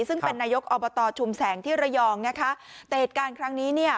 ซึ่งเป็นนายกอบตชุมแสงที่ระยองนะคะแต่เหตุการณ์ครั้งนี้เนี่ย